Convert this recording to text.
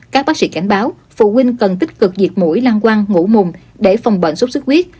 các bác sĩ cảnh báo phụ huynh cần tích cực diệt mũi lăng quang ngủ mùng để phòng bệnh sốt xuất huyết